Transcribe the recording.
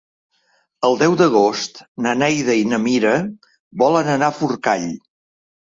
El deu d'agost na Neida i na Mira volen anar a Forcall.